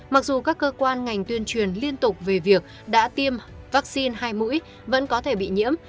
mặc dù các cơ quan ngành tuyên truyền liên tục về việc đã tiêm vaccine hai mũi vẫn có thể bị nhiễm